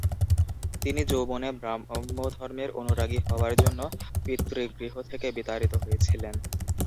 তিনি যৌবনে ব্রাহ্মধর্মের অনুরাগী হওয়ার জন্য পিতৃগৃহ থেকে বিতাড়িত হয়েছিলেন।